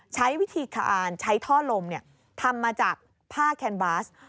ใช้วิธีการใช้ท่อลมทำมาจากผ้าแคนบาส